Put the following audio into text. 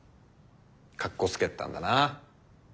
かっこつけてたんだなあ。